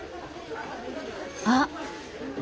あっ！